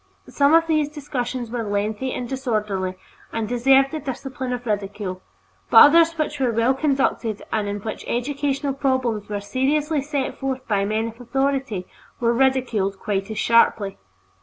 Some of these discussions were lengthy and disorderly and deserved the discipline of ridicule, but others which were well conducted and in which educational problems were seriously set forth by men of authority were ridiculed quite as sharply.